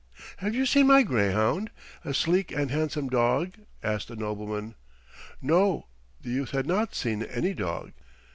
"Have you seen my greyhound, a sleek and handsome dog?" asked the nobleman. No, the youth had not seen any dog.